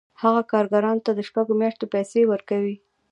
هغه کارګرانو ته د شپږو میاشتو پیسې ورکوي